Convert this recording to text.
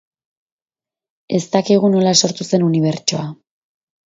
Ez dakigu nola sortu zen unibertsoa